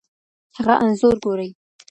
هغه انځور ګوري